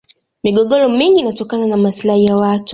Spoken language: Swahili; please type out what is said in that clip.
migogoro mingi inatokana na maslahi ya watu